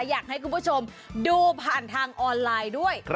อยากให้คุณผู้ชมดูผ่านทางออนไลน์ด้วย